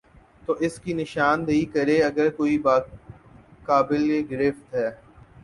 تو اس کی نشان دہی کرے اگر کوئی بات قابل گرفت ہے۔